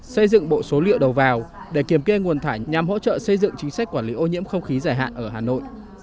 xây dựng bộ số liệu đầu vào để kiểm kê nguồn thải nhằm hỗ trợ xây dựng chính sách quản lý ô nhiễm không khí giải hạn ở hà nội